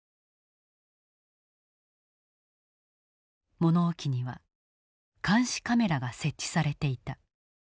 物置には監視カメラが設置されていた。